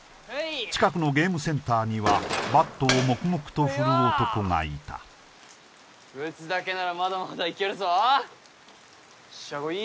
近くのゲームセンターにはバットを黙々と振る男がいた打つだけならまだまだいけるぞよっしゃこい